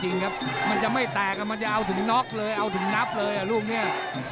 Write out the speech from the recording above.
จริงครับมันจะไม่แตกมันจะเอาถึงน็อกเลยเอาถึงนับเลยอ่ะลูกเนี่ย